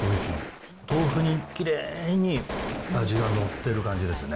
豆腐にきれいに味が乗ってる感じですね。